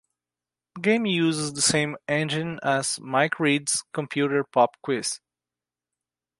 The game uses the same engine as "Mike Read's Computer Pop Quiz".